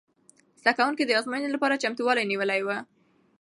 زده کوونکو د ازموینې لپاره چمتووالی نیولی و.